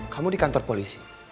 kamu di kantor polisi